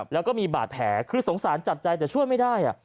แล้วก็มีบาดแผลคือสงสารจับใจแต่ช่วยไม่ได้